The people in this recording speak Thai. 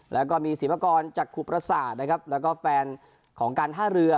แล้วก็มีศิพากรจากขุประสาทนะครับแล้วก็แฟนของการท่าเรือ